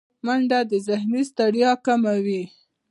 منډه د ذهني ستړیا کموي